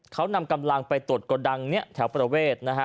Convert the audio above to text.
เขานำกำลังไปตรวจกระดังเนี่ยแถวประเวทนะฮะ